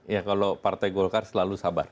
ya kalau partai golkar selalu sabar